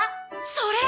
それ！